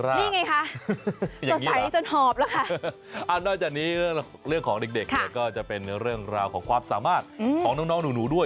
เรื่องของเด็กก็จะเป็นเรื่องราวของความสามารถของน้องหนูด้วย